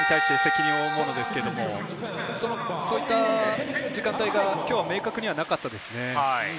そういった時間帯が今日は明確にはなかったですよね。